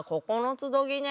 つどきね！